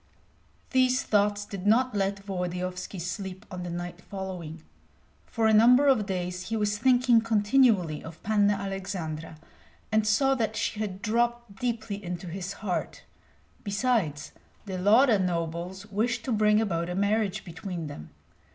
These thoughts did not let Volodyovski sleep on the night following. For a number of days he was thinking continually of Panna Aleksandra, and saw that she had dropped deeply into his heart. Besides, the Lauda nobles wished to bring about a marriage between them.